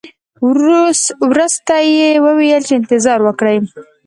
ورسته یې وویل چې انتظار وکړئ.